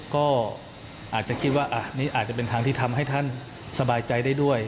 ก็อาจจะคิดว่าอันนี้อาจจะเป็นทางที่ทำให้ท่านสบายใจได้ด้วย